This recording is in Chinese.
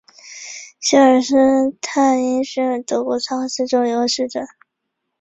希尔施斯泰因是德国萨克森州的一个市镇。